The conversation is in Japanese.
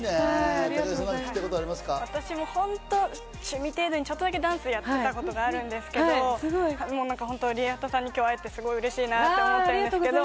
私も本当、趣味程度にちょっとだけダンスをやってたことがあるんですけど、ＲＩＥＨＡＴＡさんに今日会えて嬉しいなあと思ってるんですけど。